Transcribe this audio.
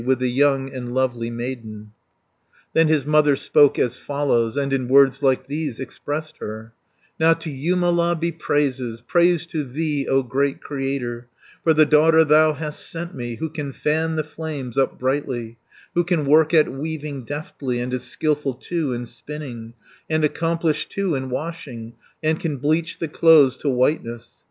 With the young and lovely maiden." 370 Then his mother spoke as follows, And in words like these expressed her: "Now to Jumala be praises, Praise to thee, O great Creator For the daughter thou hast sent me, Who can fan the flames up brightly, Who can work at weaving deftly, And is skilful, too, in spinning, And accomplished, too, in washing, And can bleach the clothes to whiteness.